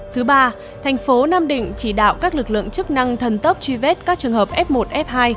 thứ ba thành phố nam định chỉ đạo các lực lượng chức năng thần tốc truy vết các trường hợp f một f hai